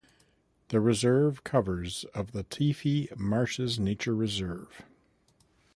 The reserve covers of the Teifi Marshes Nature Reserve.